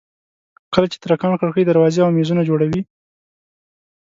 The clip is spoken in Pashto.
کله چې ترکاڼ کړکۍ دروازې او مېزونه جوړوي.